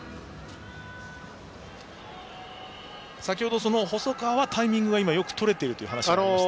先程、細川はタイミングがよくとれているという話がありました。